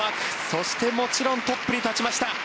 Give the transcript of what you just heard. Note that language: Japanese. そしてもちろんトップに立ちました。